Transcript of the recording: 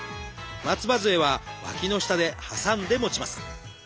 松葉づえはわきの下で挟んで持ちます。